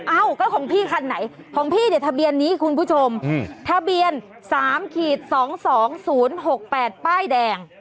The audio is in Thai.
เอ้าก็ของพี่คันไหนของพี่เนี่ยทะเบียนนี้คุณผู้ชมทะเบียน๓๒๒๐๖๘ป้ายแดง